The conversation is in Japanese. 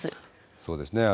そうですね。